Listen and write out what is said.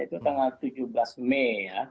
itu tanggal tujuh belas mei ya